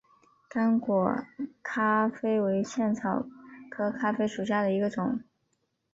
刚果咖啡为茜草科咖啡属下的一个种。